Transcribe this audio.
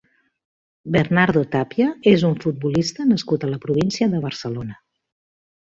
Bernardo Tapia és un futbolista nascut a la província de Barcelona.